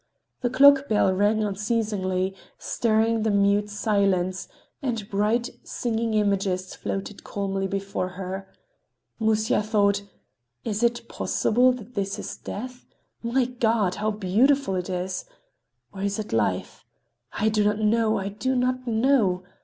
The clock bell rang unceasingly, stirring the mute silence, and bright, singing images floated calmly before her. Musya thought: "Is it possible that this is Death? My God! How beautiful it is! Or is it Life? I do not know. I do not know.